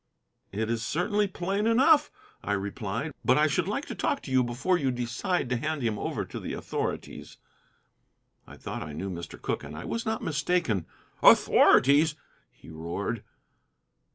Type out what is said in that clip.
"It is certainly plain enough," I replied, "but I should like to talk to you before you decide to hand him over to the authorities." I thought I knew Mr. Cooke, and I was not mistaken. "Authorities!" he roared.